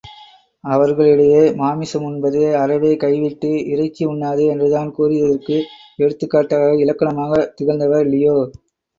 அவர்கள் இடையே மாமிசம் உண்பதை அறவே கைவிட்டு, இறைச்சி உண்ணாதே என்றுதான் கூறியதற்கு எடுத்துக்காட்டு இலக்கணமாகத் திகழ்ந்தவர் லியோ!